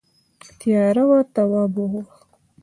تیاره وه تواب وخوت.